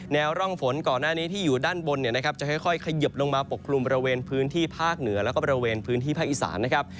ร่องฝนก่อนหน้านี้ที่อยู่ด้านบนเนี่ยนะครับจะค่อยเขยิบลงมาปกคลุมบริเวณพื้นที่ภาคเหนือแล้วก็บริเวณพื้นที่ภาคอีสานนะครับ